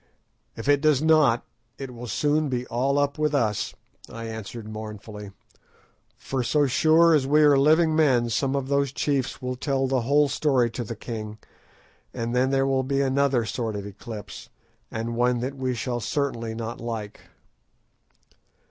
"If it does not it will soon be all up with us," I answered mournfully; "for so sure as we are living men some of those chiefs will tell the whole story to the king, and then there will be another sort of eclipse, and one that we shall certainly not like."